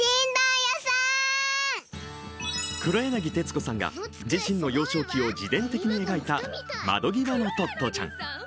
黒柳徹子さんが自身の幼少期を自伝的に描いた「窓ぎわのトットちゃん」。